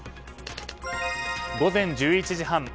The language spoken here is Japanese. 午前１１時半。